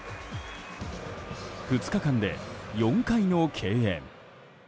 ２日間で４回の敬遠。